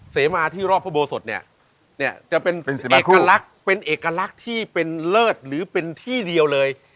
เสมาที่รอบพระโบสถเนี่ยเนี่ยจะเป็นเอกลักษณ์เป็นเอกลักษณ์ที่เป็นเลิศหรือเป็นที่เดียวเลย